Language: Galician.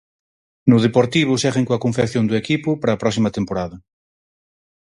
No Deportivo seguen coa confección do equipo para a próxima temporada.